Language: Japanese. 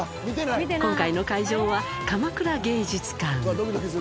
今回の会場は、鎌倉芸術館。